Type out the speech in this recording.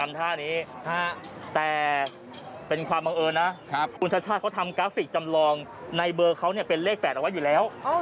ท่านี้แต่เป็นความบังเอิญนะคุณชาติชาติเขาทำกราฟิกจำลองในเบอร์เขาเป็นเลข๘เอาไว้อยู่แล้ว